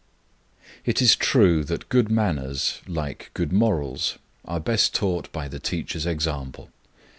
IT is true that good manners, like good morals, are best taught by the teacher's example.